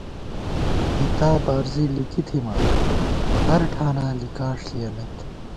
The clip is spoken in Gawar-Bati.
کِتاب عرضی لِکی تھِمان، ہر ٹھاناں لِکاݭ ݪِیَمېت